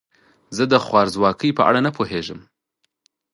زه د خوارځواکۍ په اړه نه پوهیږم.